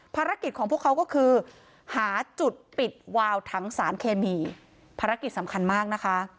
ภารกิจของพวกเขาก็คือหาจุดปิดวาวถังสารเคมีภารกิจสำคัญมากนะคะ